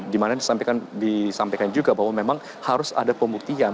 dimana disampaikan juga bahwa memang harus ada pembuktian